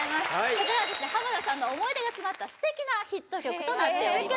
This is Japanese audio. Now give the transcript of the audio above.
これからはですね浜田さんの思い出が詰まった素敵なヒット曲となっております